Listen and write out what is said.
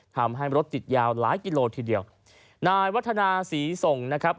ทำให้รถติดยาวหลายกิโลทีเดียวนายวัฒนาศรีส่งนะครับ